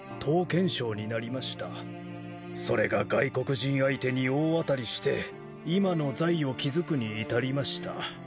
それが外国人相手に大当たりして今の財を築くに至りました。